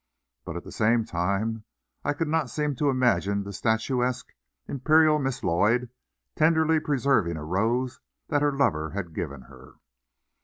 but at the same time I could not seem to imagine the statuesque, imperial Miss Lloyd tenderly preserving a rose that her lover had given her.